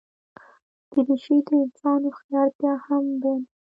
دریشي د انسان هوښیارتیا هم بیانوي.